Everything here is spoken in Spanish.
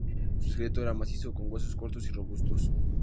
Su esqueleto era macizo, con huesos cortos y robustos.